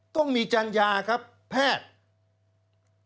ต้องมีจัญญาครับแพทย์